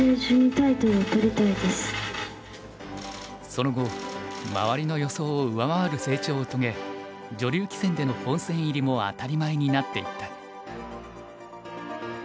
その後周りの予想を上回る成長を遂げ女流棋戦での本戦入りも当たり前になっていった。